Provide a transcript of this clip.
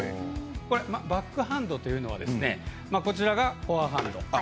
バックハンドというのはこちらが、フォアハンド。